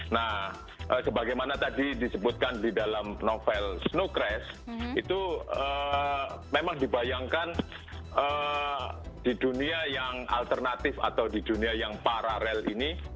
nah sebagaimana tadi disebutkan di dalam novel snow crash itu memang dibayangkan di dunia yang alternatif atau di dunia yang paralel ini